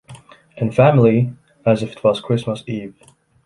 in family, as if it was Christmas eve